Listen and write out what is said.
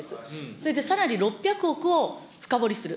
それでさらに６００億を深掘りする。